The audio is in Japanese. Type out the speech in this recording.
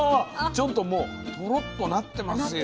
ちょっともうトロッとなってますよ。